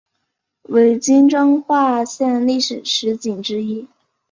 为今彰化县历史十景之一。